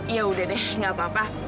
iya udah deh gak apa apa